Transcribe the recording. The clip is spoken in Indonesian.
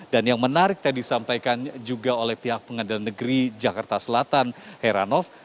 yang menarik tadi disampaikan juga oleh pihak pengadilan negeri jakarta selatan heranov